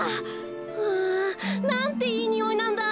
わなんていいにおいなんだ。